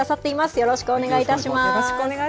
よろしくお願いします。